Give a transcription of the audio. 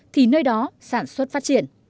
thì nơi đó sản xuất phát triển